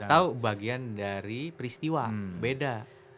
atau bagian dari peristiwa beda